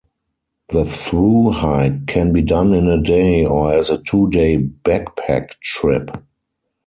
The through-hike can be done in a day or as a two-day backpack trip.